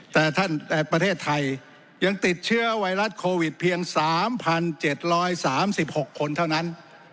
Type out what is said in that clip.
แต่ประเทศไทยยังติดเชื้อไวรัสโควิดเพียง๓๗๓๖คนเท่านั้น